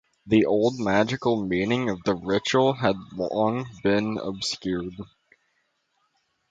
The old magical meaning of the ritual had long been obscured.